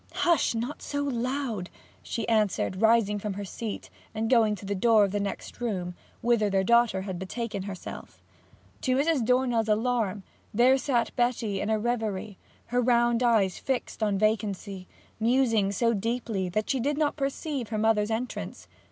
'Hush! not so loud!' she answered, rising from her seat and going to the door of the next room, whither her daughter had betaken herself. To Mrs. Dornell's alarm, there sat Betty in a reverie, her round eyes fixed on vacancy, musing so deeply that she did not perceive her mother's entrance.